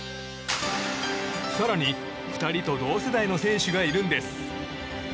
更に、２人と同世代の選手がいるんです。